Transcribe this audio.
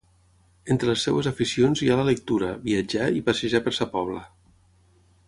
Entre les seves aficions hi ha la lectura, viatjar i passejar per Sa Pobla.